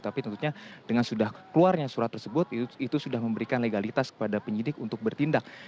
tapi tentunya dengan sudah keluarnya surat tersebut itu sudah memberikan legalitas kepada penyidik untuk bertindak